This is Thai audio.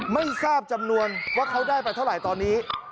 ไม่ทราบจำนวนว่าเขาได้ไปเท่าไหร่ตอนนี้